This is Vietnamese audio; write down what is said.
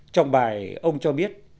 trong bài ông cho biết